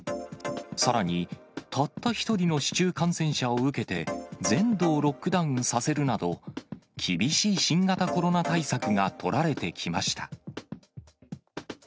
さらにたった１人の市中感染者を受けて、全土をロックダウンさせるなど、厳しい新型コロナ対策が取られてきました。